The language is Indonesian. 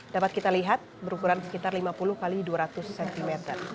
dapat kita lihat berukuran sekitar lima puluh x dua ratus cm